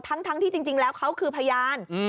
ทั้งที่จริงแล้วเขาคือพยาน